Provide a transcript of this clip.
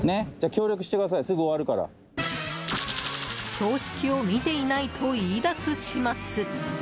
標識を見ていないと言い出す始末。